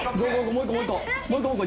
もう一個もう一個。